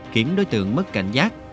khiến đối tượng mất cảnh giác